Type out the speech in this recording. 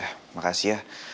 eh makasih ya